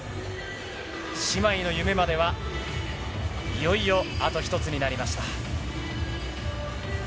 姉妹の夢までは、いよいよあと１つになりました。